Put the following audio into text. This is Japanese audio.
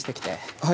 はい。